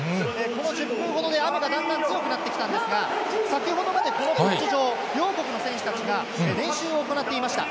この１０分ほどで、雨がだんだん強くなってきたんですが、先ほどまでこのピッチ上、両国の選手たちが、練習を行っていました。